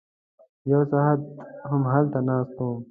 یو ساعت همدلته ناست وم.